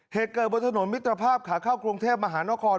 เฮกเกอร์โปยถนนมิดรภาพขาเข้ากรงเทพมหานคร